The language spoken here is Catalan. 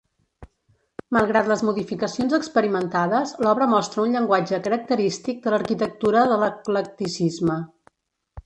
Malgrat les modificacions experimentades, l'obra mostra un llenguatge característic de l'arquitectura de l'eclecticisme.